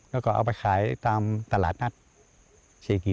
แล้วก็เอาไปขายตามตลาดนัดงานครับ